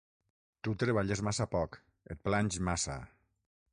Tu treballes massa poc: et planys massa.